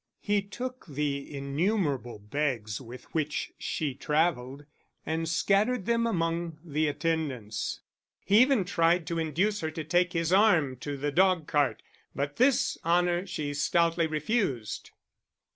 He took the innumerable bags with which she travelled and scattered them among the attendants. He even tried to induce her to take his arm to the dog cart, but this honour she stoutly refused.